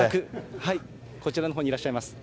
こちらのほうにいらっしゃいます。